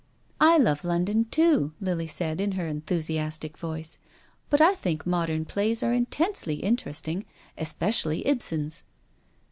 " I love London, too," Lily said, in her enthu siastic voice, " but I think modern plays are in tensely interesting, especially Ibsen's."